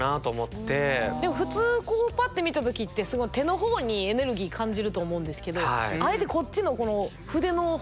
でも普通こうパッて見た時って手の方にエネルギー感じると思うんですけどあえてこっちのこの筆の方を。